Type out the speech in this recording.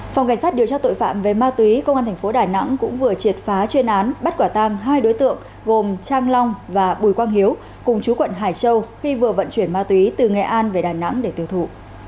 phòng cảnh sát điều tra tội phạm về ma túy công an thành phố đà nẵng cũng vừa triệt phá chuyên án bắt quả tang hai đối tượng gồm trang long và bùi quang hiếu cùng chú quận hải châu khi vừa vận chuyển ma túy từ nghệ an về đà nẵng để tiêu thụ